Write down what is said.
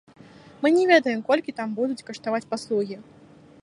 Мы не ведаем, колькі там будуць каштаваць паслугі.